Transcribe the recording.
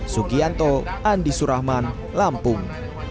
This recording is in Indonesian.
sukianto andi surahman lampung